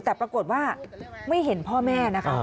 แต่ปรากฏว่าไม่เห็นพ่อแม่นะคะ